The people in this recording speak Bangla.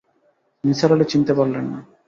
নিসার আলি চিনতে পারলেন না।